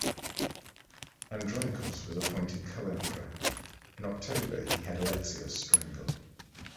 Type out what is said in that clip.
Andronikos was appointed co-emperor. In October, he had Alexios strangled.